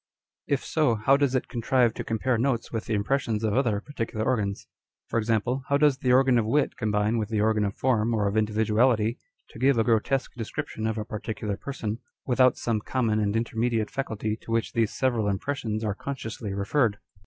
1 If so, how does it contrive to compare notes with the impressions of other particular organs? For example, how does the organ of wit combine Avith the organ of form or of individuality, to give a grotesque description of a particular person, without some common and intermediate faculty to which these several impressions arc consciously 1 Page 273. On Dr. Spu/rzheim'a Theory. 211 referred